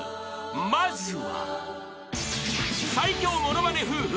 ［まずは］